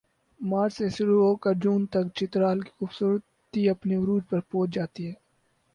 مارچ سے شروع ہوکر جون تک چترال کی خوبصورتی اپنے عروج پر پہنچ جاتی ہے